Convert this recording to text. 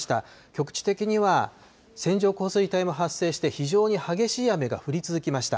局地的には線状降水帯も発生して、非常に激しい雨が降り続きました。